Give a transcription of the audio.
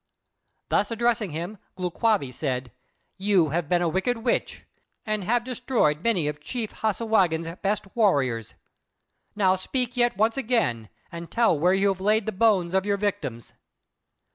Then addressing him, Glūs kābé said: "You have been a wicked witch, and have destroyed many of Chief Hassagwākq's best warriors. Now speak yet once again and tell where you have laid the bones of your victims."